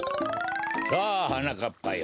さあはなかっぱよ。